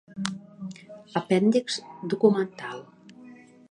Apèndix documental.